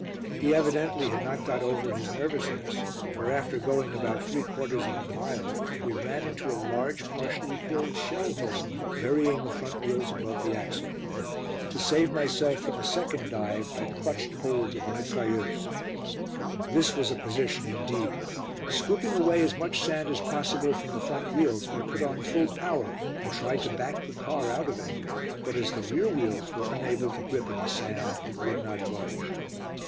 He evidently had not got over his nervousness, for, after going about three quarters of a mile, we ran into a large, partially filled shell hole, burying the front wheels above the axle. To save myself from a second dive I clutched hold of the mitrailleuse. This was a position indeed! Scooping away as much sand as possible from the front wheels, we put on full power, and tried to back the car out of it. But as the rear wheels were unable to grip in the sand it would not budge.